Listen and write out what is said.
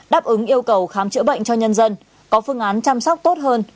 đáp ứng yêu cầu khám chữa bệnh cho nhân dân có phương án chăm sóc tốt hơn